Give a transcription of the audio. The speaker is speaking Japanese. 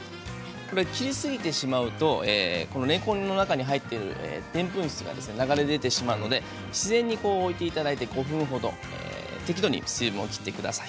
切りすぎてしまうとれんこんの中に入っているでんぷん質が流れ出てしまうので自然に置いていただいて５分ほど適度に水分を切ってください。